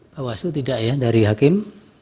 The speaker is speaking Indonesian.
pak wasu tidak ya dari hakim